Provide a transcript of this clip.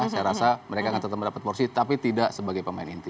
saya rasa mereka akan tetap mendapat porsi tapi tidak sebagai pemain inti